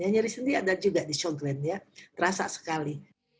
nyari sendi ada juga di sjogren terasa sekali